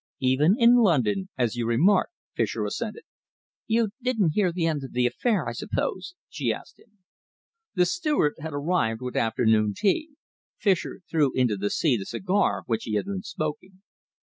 "Even in London, as you remark," Fischer assented. "You didn't hear the end of the affair, I suppose?" she asked him. The steward had arrived with afternoon tea. Fischer threw into the sea the cigar which he had been smoking.